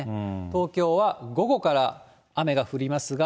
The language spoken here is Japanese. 東京は午後から雨が降りますが、